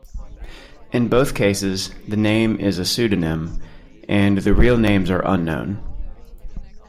In both cases the name is a pseudonym, and the real names are unknown.